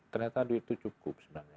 ternyata duit itu cukup sebenarnya